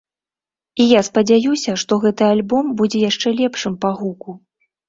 І я спадзяюся, што гэты альбом будзе яшчэ лепшым па гуку.